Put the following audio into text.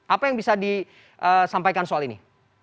apa yang bisa disampaikan soal ini